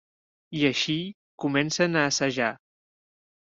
I així comencen a assajar.